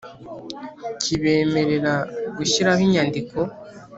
Kibemerera gushyiraho inyandiko